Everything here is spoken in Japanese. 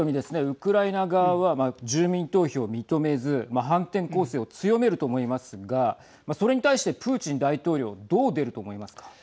ウクライナ側は住民投票を認めず反転攻勢を強めると思いますがそれに対して、プーチン大統領どう出ると思いますか。